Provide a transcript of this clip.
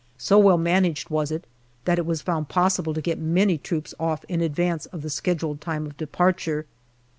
So well managed was it that it was found possible to get many troops off in advance of the scheduled time of departure.